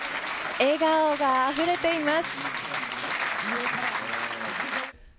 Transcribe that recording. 笑顔があふれています。